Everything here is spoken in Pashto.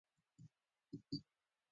تاجیک جنګيالي په منځني ختيځ او افغانستان کې